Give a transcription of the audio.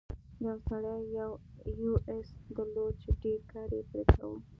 یو سړي یو اس درلود چې ډیر کار یې پرې کاوه.